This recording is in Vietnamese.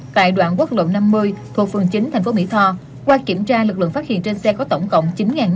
tại đoạn quốc lộ năm mươi thuộc phường chín tp mỹ tho qua kiểm tra lực lượng phát hiện trên xe có tổng cộng chín năm trăm linh